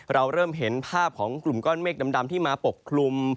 เราเริ่มเห็นภาพของกลุ่มก้อนเมฆดำที่มาปกคลุม